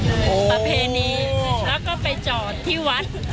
โอ้โอ๋ปรับเพศนี้แล้วก็ไปจอดที่วัด